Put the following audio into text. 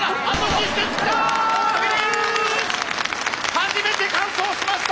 初めて完走しました！